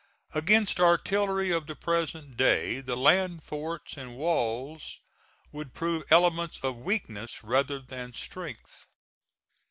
Against artillery of the present day the land forts and walls would prove elements of weakness rather than strength.